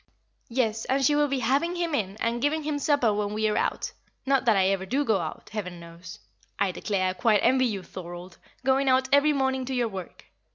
"Yes, and she will be having him in, and giving him supper when we are out not that I ever do go out, Heaven knows! I declare I quite envy you, Thorold, going out every morning to your work.